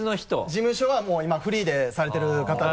事務所はもう今フリーでされてる方で。